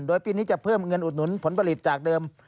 โดยปีนี้จะเพิ่มเงินอุดหนุนผลผลิตจากเดิม